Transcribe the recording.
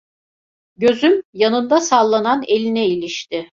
Gözüm yanında sallanan eline ilişti.